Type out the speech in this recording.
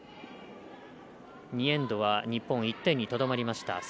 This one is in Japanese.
２エンドは日本１点にとどまりました。